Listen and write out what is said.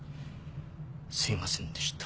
すいませんでした。